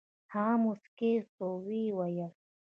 هغه موسكى سو ويې ويل.